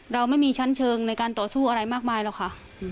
เราไม่มีชั้นเชิงในการต่อสู้อะไรมากมายหรอกค่ะ